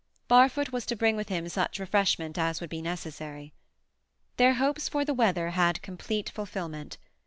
Barfoot was to bring with him such refreshment as would be necessary. Their hopes for the weather had complete fulfilment.